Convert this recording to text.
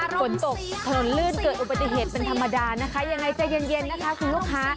ฝนตกถนนลื่นเกิดอุบัติเหตุเป็นธรรมดานะคะยังไงใจเย็นนะคะคุณลูกค้า